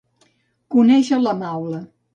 Conèixer la maula.